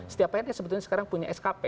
setiap pns sebetulnya sekarang punya skp